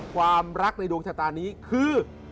ความรักในดวงชะตานี้คือ